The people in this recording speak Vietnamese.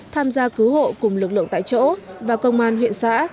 tham gia cứu hộ cùng lực lượng tại chỗ và công an huyện xã